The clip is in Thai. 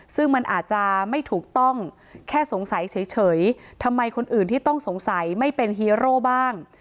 ซึ่งมันอาจจะไม่ถูกต้องแค่สงสัยเฉยทำไมคนอื่นที่ต้องสงสัยไม่เป็นฮีโร่บ้าง